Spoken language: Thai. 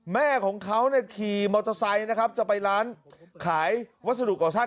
แม่ของเขาเนี่ยขี่มอเตอร์ไซค์นะครับจะไปร้านขายวัสดุก่อสร้าง